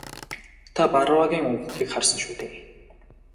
Та Барруагийн үхэхийг харсан шүү дээ?